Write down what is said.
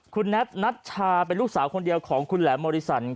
คุณแน็ตนัชชาเป็นลูกสาวคนเดียวของคุณแหลมมริสัน